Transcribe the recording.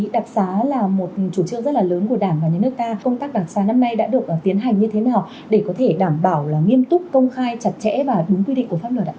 đặc xá là một chủ trương rất là lớn của đảng và những nước ta công tác đảng sáng năm nay đã được tiến hành như thế nào để có thể đảm bảo nghiêm túc công khai chặt chẽ và đúng quy định của pháp luật ạ